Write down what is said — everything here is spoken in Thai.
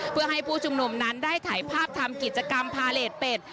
เพื่อให้ผู้ชุมนุมนั้นได้ถ่ายภาพทำกิจกรรมพาเลสเป็ด